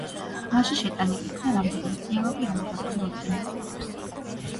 მასში შეტანილი იქნა რამდენიმე დიალოგი, ამოღებული ორიგინალური ვერსიიდან.